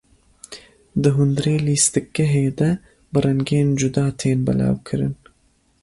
Di hundirê lîstikgehê de bi rengên cuda tên belavkirin.